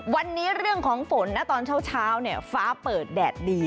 วันนี้เรื่องของฝนนะตอนเช้าฟ้าเปิดแดดดี